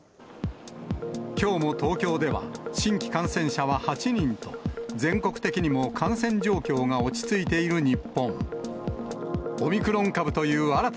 きょうも東京では、新規感染者は８人と、全国的にも感染状況が落ち着いている日本。